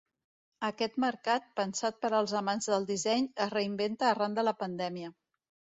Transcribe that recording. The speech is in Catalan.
Aquest mercat pensat per als amants del disseny es reinventa arran de la pandèmia.